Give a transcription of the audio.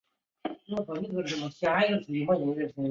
以色列体育是以色列民族文化的重要组成部分。